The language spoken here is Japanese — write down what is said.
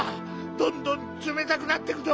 どんどんつめたくなってくぞ。